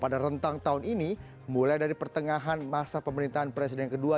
pada rentang tahun ini mulai dari pertengahan masa pemerintahan presiden kedua